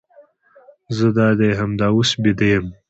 زه دادي همدا اوس بیده یم.